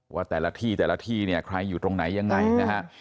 ว่าแต่ละที่แต่ละที่เนี่ยใครอยู่ตรงไหนยังไงนะฮะ